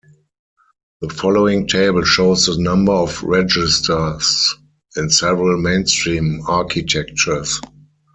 The following table shows the number of registers in several mainstream architectures.